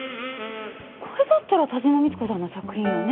これだったら田島三津子さんの作品よね。